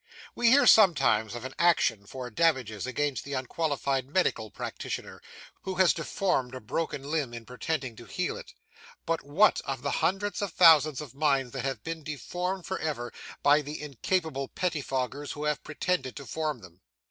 We hear sometimes of an action for damages against the unqualified medical practitioner, who has deformed a broken limb in pretending to heal it. But, what of the hundreds of thousands of minds that have been deformed for ever by the incapable pettifoggers who have pretended to form them!